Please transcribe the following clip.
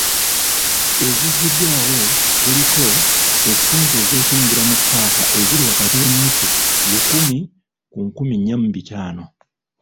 Mu ziggiddwawo, kuliko; essente z'okuyingira mu paaka eziri wakati w'ennusu lukumi ku nkumi nnya mu bitaano.